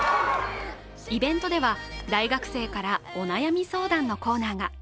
イベントでは、大学生からお悩み相談が。